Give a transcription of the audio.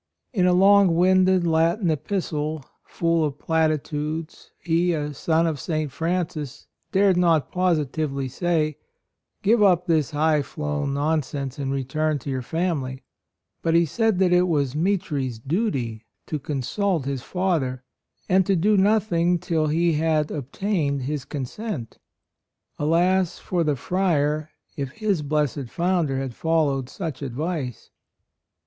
In a long winded Latin epistle, full of platitudes, he, a son of St. Francis, dared not positively say, "Give up this high flown nonsense and return to your family"; but he said that it was Mitri's duty to consult his father, and to do nothing till he had obtained his consent. Alas for the friar if his blessed founder had followed such ad vice!